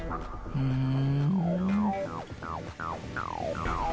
ふん。